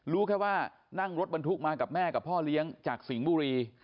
รู้แค่ว่านั่งรถบรรทุกมากับแม่กับพ่อเลี้ยงจากสิงห์บุรี